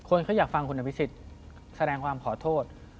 คนเขาอยากฟังคุณอาพิสิทธิ์แสดงความขอโทษ